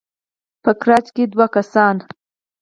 په ګراج کې دوه کسان